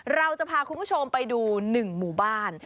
เราจะพาคุณผู้ชมไปดู๑หมู่บ้าน